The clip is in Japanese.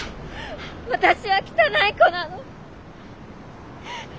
私は汚い子なの。